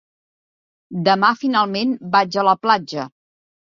Demà finalment vaig a la platja.